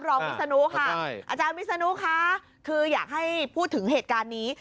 วิศนุค่ะอาจารย์วิศนุคะคืออยากให้พูดถึงเหตุการณ์นี้